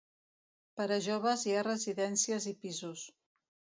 Per a joves hi ha Residències i pisos.